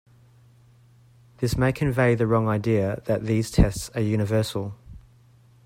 This may convey the wrong idea that these tests are universal.